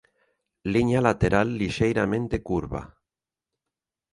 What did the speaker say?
Liña lateral lixeiramente curva.